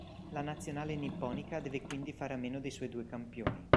La nazionale nipponica deve quindi a fare a meno dei suoi due campioni.